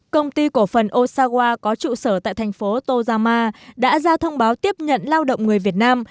công ty cổ phần osawa có trụ sở tại thành phố tojama đã ra thông báo tiếp nhận lao động người việt nam